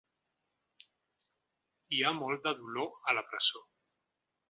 Hi ha molt de dolor, a la presó.